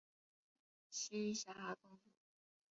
栖霞公主。